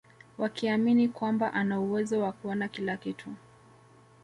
Wakiamini kwamba ana uwezo wa kuona kila kitu